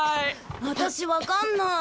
私分かんない。